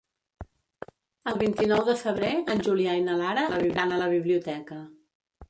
El vint-i-nou de febrer en Julià i na Lara aniran a la biblioteca.